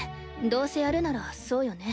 どうせやるならそうよね。